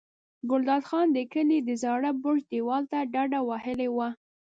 ګلداد خان د کلي د زاړه برج دېوال ته ډډه وهلې وه.